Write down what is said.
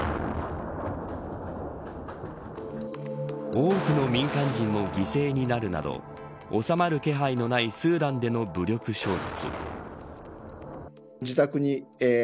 多くの民間人も犠牲になるなど収まる気配のないスーダンでの武力衝突。